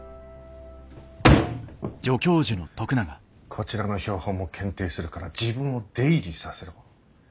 こちらの標本も検定するから自分を出入りさせろ？